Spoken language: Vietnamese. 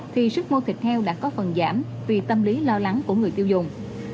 thì sức mua thịt heo đã có phần giảm vì tâm lý lo lắng của người tiêu dùng